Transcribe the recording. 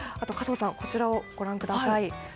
加藤さん、こちらをご覧ください。